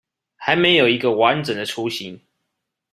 還沒有一個完整的雛型